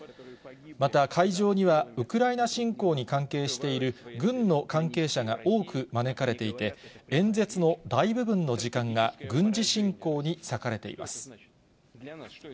また会場にはウクライナ侵攻に関係している軍の関係者が多く招かれていて、演説の大部分の時間が軍事侵攻に割かれています。